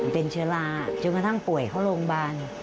เป็นเชื้อราจนกระทั่งป่วยเข้าโรงพยาบาล